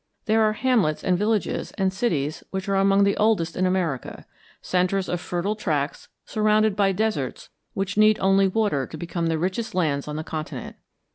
There are hamlets and villages and cities which are among the oldest in America, centres of fertile tracts surrounded by deserts which need only water to become the richest lands on the continent.